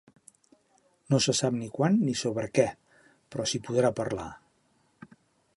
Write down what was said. No se sap ni quan ni sobre què, però s’hi podrà parlar.